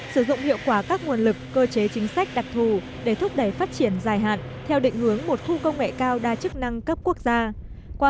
sử dụng hiệu quả các nguồn lực cơ chế chính sách đặc thù để thúc đẩy phát triển dài hạn theo định hướng một khu công nghệ cao đa chức năng cấp quốc gia